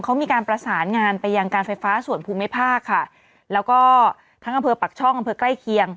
เขามีการประสานงานไปยังการไฟฟ้าส่วนภูมิภาคค่ะแล้วก็ทั้งอำเภอปักช่องอำเภอใกล้เคียง